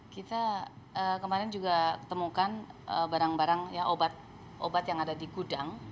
kita kemarin juga ketemukan barang barang ya obat obat yang ada di gudang